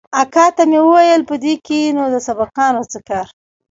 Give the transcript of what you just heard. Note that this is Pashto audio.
اکا ته مې وويل په دې کښې نو د سبقانو څه کار.